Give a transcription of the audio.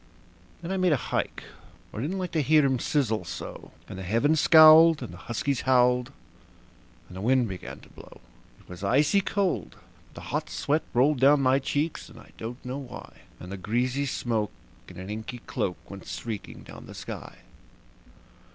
Then I made a hike, for I didn't like to hear him sizzle so; And the heavens scowled, and the huskies howled, and the wind began to blow. It was icy cold, but the hot sweat rolled down my cheeks, and I don't know why; And the greasy smoke in an inky cloak went streaking down the sky.